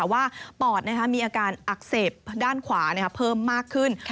ว่าปอดมีอาการอักเสบด้านขวาเพิ่มมากขึ้น